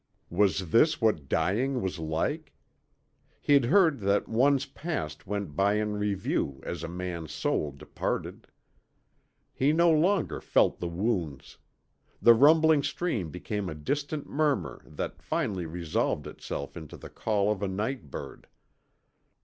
Was this what dying was like? He'd heard that one's past went by in review as a man's soul departed. He no longer felt the wounds. The rumbling stream became a distant murmur that finally resolved itself into the call of a night bird.